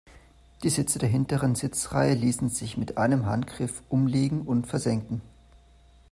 Die Sitze der hinteren Sitzreihe ließen sich mit einem Handgriff umlegen und versenken.